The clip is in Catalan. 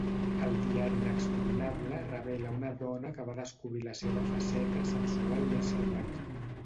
El diari inexpugnable revela una dona que va descobrir la seva faceta sexual més salvatge.